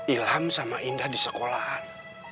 ilham sama indah di sekolahan